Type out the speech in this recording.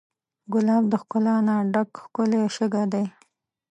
ګلاب د ښکلا نه ډک ښکلی شګه دی.